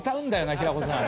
平子さん。